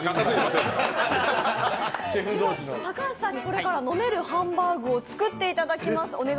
高橋さんにこれから飲めるハンバーグを作っていただきます。